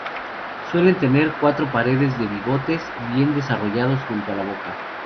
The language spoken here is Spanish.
Suelen tener cuatro pares de bigotes bien desarrollados junto a la boca.